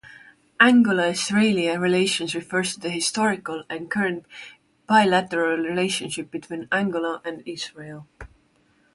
Angola–Israel relations refers to the historical and current bilateral relationship between Angola and Israel.